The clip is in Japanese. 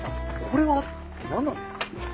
これは何なんですか？